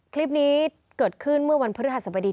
คลิปนี้เกิดขึ้นเมื่อวันพฤษภาษาบริการ